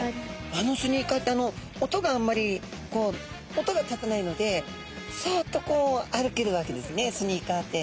あのスニーカーって音があんまり音が立たないのでサッとこう歩けるわけですねスニーカーって。